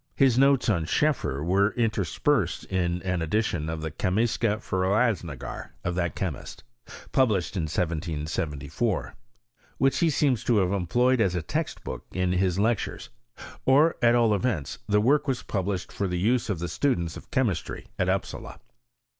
His notes on Scheffer were interspersed in an edition of the " Chemiske Forelasningar" of that chemist, published in i 774, which he seems to have employed as a text book in his lectures: or, at all events, the work was published for the use of the students of chemistry at Upsala.